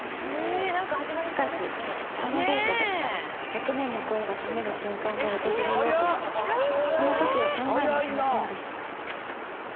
しかしこのデートで１００年の恋が冷める瞬間が訪れようとはこの時は考えもしませんでした